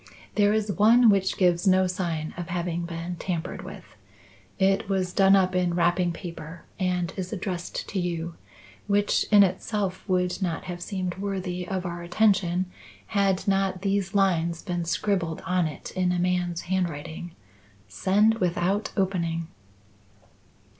"There is one which gives no sign of having been tampered with. It was done up in wrapping paper and is addressed to you, which in itself would not have seemed worthy of our attention had not these lines been scribbled on it in a man's handwriting: 'Send without opening.